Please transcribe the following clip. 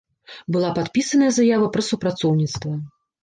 Была падпісаная заява пра супрацоўніцтва.